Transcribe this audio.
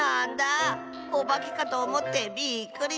おばけかとおもってびっくりしたオバ。